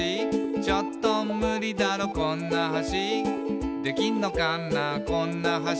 「ちょっとムリだろこんな橋」「できんのかなこんな橋」